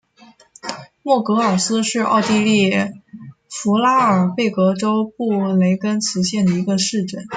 默格尔斯是奥地利福拉尔贝格州布雷根茨县的一个市镇。